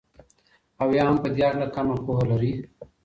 او يا هم په دي هكله كمه پوهه لري